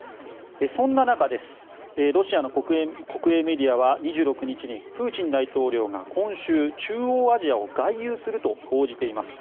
そんな中ロシアの国営メディアは２６日にプーチン大統領が今週中央アジアを外遊すると報じています。